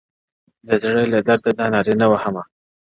• د زړه له درده دا نارۍ نه وهم ـ